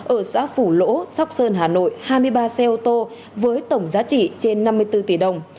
ở xã phủ lỗ sóc sơn hà nội hai mươi ba xe ô tô với tổng giá trị trên năm mươi bốn tỷ đồng